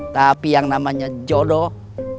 tapi yang namanya jodoh